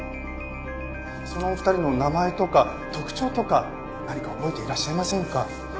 そのお二人の名前とか特徴とか何か覚えていらっしゃいませんか？